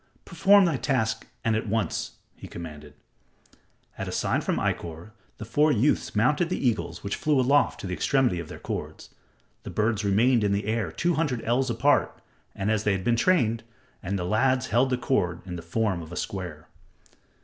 "Perform thy task and at once," he commanded. At a sign from Ikkor, the four youths mounted the eagles which flew aloft to the extremity of their cords. The birds remained in the air two hundred ells apart, as they had been trained, and the lads held cords in the form of a square.